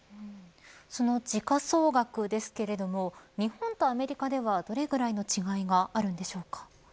その時価総額ですけれども日本とアメリカではどれくらいの違いがあるのでしょうか。